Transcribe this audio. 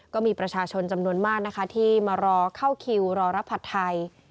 ก็มีประชาชนจำนวนมากนะคะที่มารอเข้าคิวรอรับผัดไทย